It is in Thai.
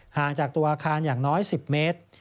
ห่างจากตัวอาคารอย่างน้อย๑๐เมตร